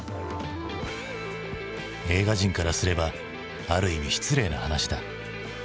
映画人からすればある意味失礼な話だ。